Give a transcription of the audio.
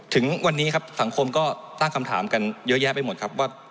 ถึงวันนี้ครับสังคมก็ตั้งคำถามกันเยอะแยะไปหมดครับว่า